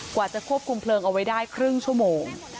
กว่าจะควบคุมเพลิงเอาไว้ได้ครึ่งชั่วโมง